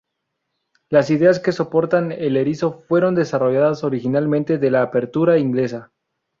Las ideas que soportan el Erizo fueron desarrolladas originalmente de la Apertura inglesa.